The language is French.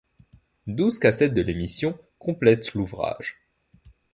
Douze cassettes de l'émission complètent l'ouvrage.